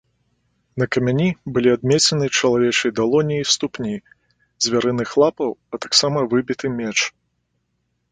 На камяні былі адмеціны чалавечай далоні і ступні, звярыных лапаў, а таксама выбіты меч.